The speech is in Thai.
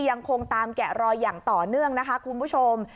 ยังคงตามแกะรอยอย่างต่อเนื่องนะคะคุณผู้ชม